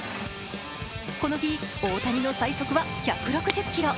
この日、大谷の最速は１６０キロ。